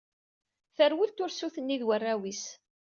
Terwel tursut-nni d warraw-is.